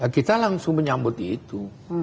kita langsung menyambut itu